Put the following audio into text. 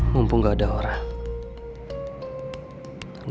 mumpung gak ada orang